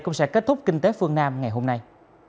cũng sẽ kết thúc kinh tế phương nam ngày hôm nay